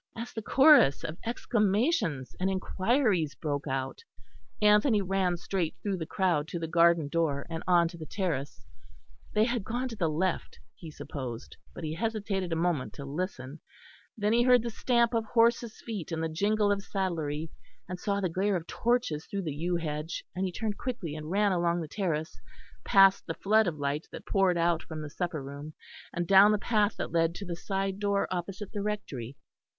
As the chorus of exclamations and inquiries broke out, Anthony ran straight through the crowd to the garden door, and on to the terrace. They had gone to the left, he supposed, but he hesitated a moment to listen; then he heard the stamp of horses' feet and the jingle of saddlery, and saw the glare of torches through the yew hedge; and he turned quickly and ran along the terrace, past the flood of light that poured out from the supper room, and down the path that led to the side door opposite the Rectory.